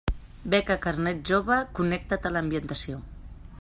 Beca Carnet Jove Connecta't a l'Ambientació.